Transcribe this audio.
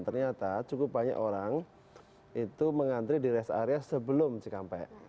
ternyata cukup banyak orang itu mengantri di rest area sebelum cikampek